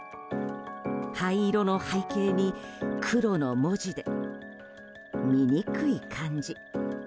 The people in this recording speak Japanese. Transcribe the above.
灰色の背景に、黒の文字で見にくい感じ。